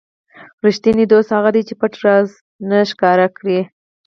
ریښتینی دوست هغه دی چې پټ راز نه ښکاره کړي.